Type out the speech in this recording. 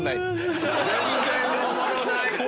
全然おもろない！